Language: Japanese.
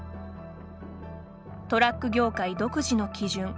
トラック業界独自の基準。